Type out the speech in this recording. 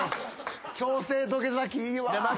強制土下座器いいわ！